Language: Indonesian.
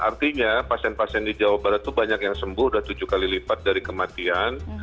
artinya pasien pasien di jawa barat itu banyak yang sembuh sudah tujuh kali lipat dari kematian